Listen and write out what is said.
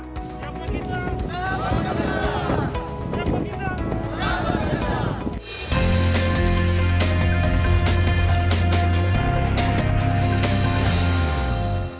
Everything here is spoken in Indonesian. siapa kita kita berkenan